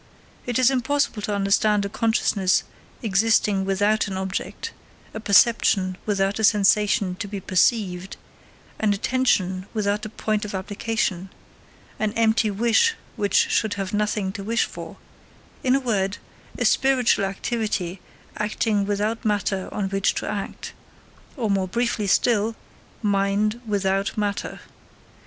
It is impossible to understand a consciousness existing without an object, a perception without a sensation to be perceived, an attention without a point of application, an empty wish which should have nothing to wish for; in a word, a spiritual activity acting without matter on which to act, or more briefly still mind without matter.